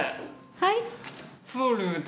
はい。